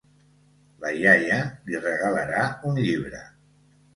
La iaia li regalarà un llibre.